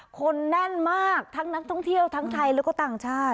คนแน่นมากทั้งนักท่องเที่ยวทั้งไทยแล้วก็ต่างชาติ